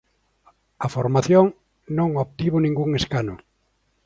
A formación non obtivo ningún escano.